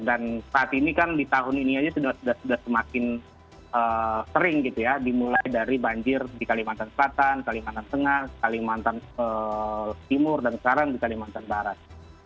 dan saat ini kan di tahun ini aja sudah semakin sering gitu ya dimulai dari banjir di kalimantan selatan kalimantan tengah kalimantan timur dan sekarang di kalimantan barat